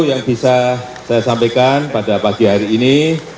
yang bisa saya sampaikan pada pagi hari ini